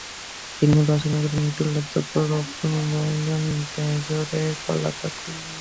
তিনি রচনা করা একটি উল্লেখযোগ্য বরগীত হল: তেজরে কমলাপতি।